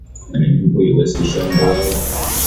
An incomplete list is shown below.